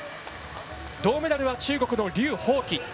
銅メダルは中国の劉鳳岐。